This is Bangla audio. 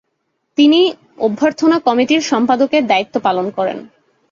তিনি তিনি অভ্যর্থনা কমিটির সম্পাদকের দায়িত্ব পালন করেন।